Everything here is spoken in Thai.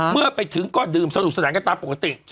เมื่อไปถึงก็ดื่มสนุกสนานกันตามปกติ